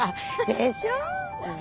でしょう？